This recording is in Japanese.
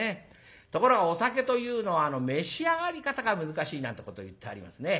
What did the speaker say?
ところがお酒というのは召し上がり方が難しいなんてこといってありますね。